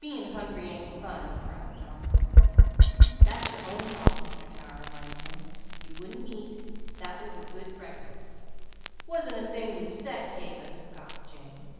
"Being hungry ain't fun," growled Malcolm. "That's your own fault," Mr. Tower reminded him. "You wouldn't eat. That was a good breakfast." "Wasn't a thing Lucette gave us!" scoffed James.